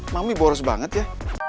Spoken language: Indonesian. mami boros banget ya